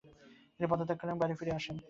তিনি পদত্যাগ করেন এবং বাড়ি ফিরে আসেন।